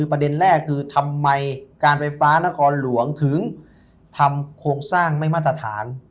ประเด็นแรกคือทำไมการไฟฟ้านครหลวงถึงทำโครงสร้างไม่มาตรฐาน